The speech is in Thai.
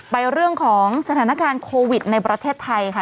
เรื่องของสถานการณ์โควิดในประเทศไทยค่ะ